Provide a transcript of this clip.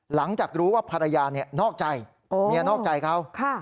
หลังจากรู้ว่าภรรยานอกใจเมียนอกใจเขา